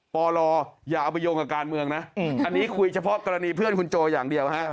ปลอย่าเอาไปโยงกับการเมืองนะอันนี้คุยเฉพาะกรณีเพื่อนคุณโจอย่างเดียวฮะ